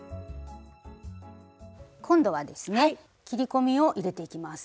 今度はですね切り込みを入れていきます。